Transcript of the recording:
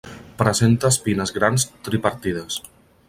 Presenta espines grans tripartides.